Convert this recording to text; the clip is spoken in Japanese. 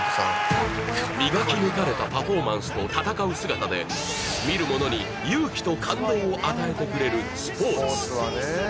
磨き抜かれたパフォーマンスと戦う姿でを与えてくれるスポーツ